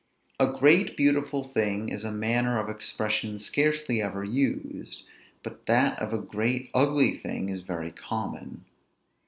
A great beautiful thing is a manner of expression scarcely ever used; but that of a great ugly thing is very common.